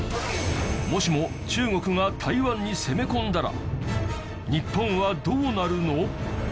もしも中国が台湾に攻め込んだら日本はどうなるの？